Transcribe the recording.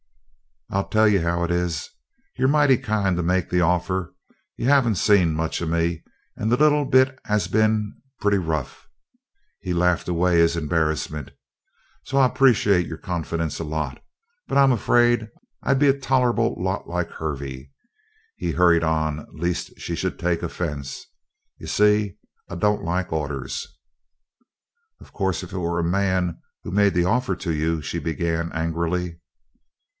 "I'll tell you how it is. You're mighty kind to make the offer. You haven't seen much of me and that little bit has been pretty rough." He laughed away his embarrassment. "So I appreciate your confidence a lot. But I'm afraid that I'd be a tolerable lot like Hervey." He hurried on lest she should take offense. "You see, I don't like orders." "Of course if it were a man who made the offer to you " she began angrily.